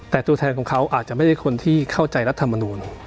แต่ตัวแทนของเขาอาจจะไม่ใช่คนที่เข้าใจรัฐมนูล